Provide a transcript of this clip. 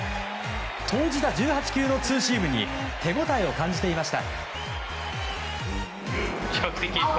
投じた１８球のツーシームに手応えを感じていました。